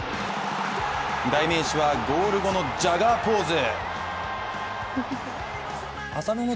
代名詞はゴール後のジャガーポーズ。